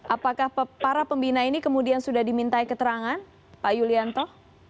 apakah para pembina ini kemudian sudah diminta keterangan pak yulianto